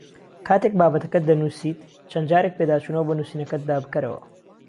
کاتێک بابەتەکەت دەنووسیت چەند جارێک پێداچوونەوە بە نووسینەکەتدا بکەرەوە